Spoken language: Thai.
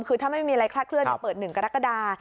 คือถ้าไม่มีอะไรคลาดเคลื่อนเปิด๑กรกฎา